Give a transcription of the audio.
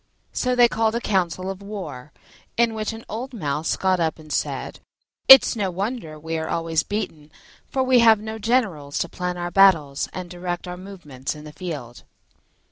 So they called a council of war, in which an old Mouse got up and said, "It's no wonder we are always beaten, for we have no generals to plan our battles and direct our movements in the field."